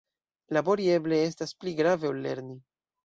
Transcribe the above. Labori eble estas pli grave ol lerni.